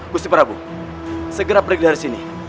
gusti prabu segera break dari sini